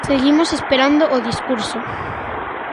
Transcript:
Seguimos esperando o discurso.